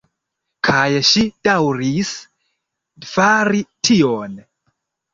Kaj ŝi daŭris fari tion.